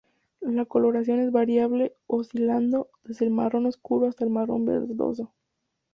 La coloración es variable oscilando desde el marrón oscuro hasta el marrón verdoso.